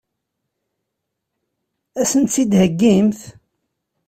Ad sent-tt-id-theggimt?